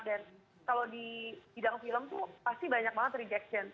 kalau di bidang film tuh pasti banyak banget rejection